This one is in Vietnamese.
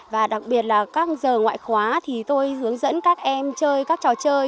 và đặc biệt là các giờ ngoại khóa thì tôi hướng dẫn các em chơi các trò chơi